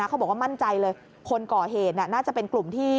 เขาบอกว่ามั่นใจเลยคนก่อเหตุน่าจะเป็นกลุ่มที่